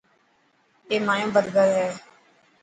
اي مايو برگر هي.